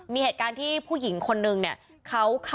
มีเหตุการณ์ที่ผู้หญิงคนนึงเนี่ย